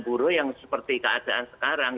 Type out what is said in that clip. buruh yang seperti keadaan sekarang